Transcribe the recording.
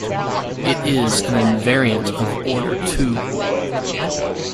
It is an invariant of order two.